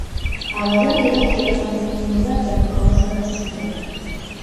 Ebazadde bakeera mu bunyonyi ne badda mu kawozamasiga